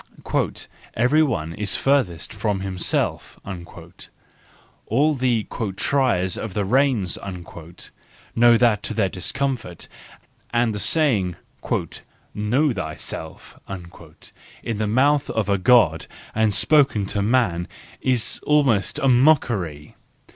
"Everyone is furthest from himself"—all the "triers of the reins " know that to their discomfort; and the saying, " Know thyself," in the mouth of a God and spoken to man, is almost a mockery.